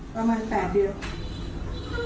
ประมาณปลาดเดียว